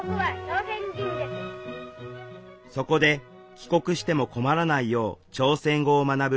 そこで帰国しても困らないよう朝鮮語を学ぶ